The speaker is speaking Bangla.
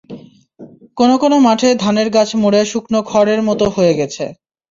কোনো কোনো মাঠে ধানের গাছ মরে শুকনো খড়ের মতো হয়ে গেছে।